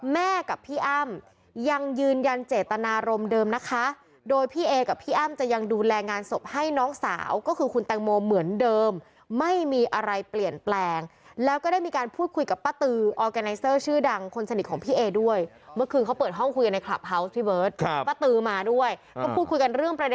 แม่กับพี่อ้ำยังยืนยันเจตนารมณ์เดิมนะคะโดยพี่เอกับพี่อ้ำจะยังดูแลงานศพให้น้องสาวก็คือคุณแตงโมเหมือนเดิมไม่มีอะไรเปลี่ยนแปลงแล้วก็ได้มีการพูดคุยกับป้าตือออร์แกไนเซอร์ชื่อดังคนสนิทของพี่เอด้วยเมื่อคืนเขาเปิดห้องคุยกันในคลับเฮาส์พี่เบิร์ตป้าตือมาด้วยก็พูดคุยกันเรื่องประเด